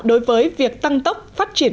đối với việc tăng tốc phát triển